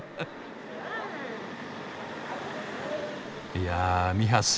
いやぁミハス。